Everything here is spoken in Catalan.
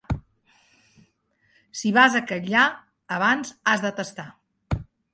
Si vas a Catllar, abans has de testar.